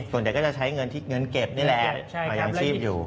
ส่วนใหญ่ก็จะใช้เงินเก็บนี่แหละอย่างชีพอยู่